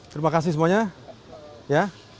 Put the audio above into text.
terima kasih semuanya